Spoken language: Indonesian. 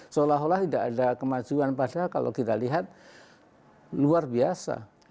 seolah olah tidak ada kemajuan padahal kalau kita lihat luar biasa